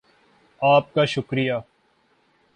آپ کا شکریہ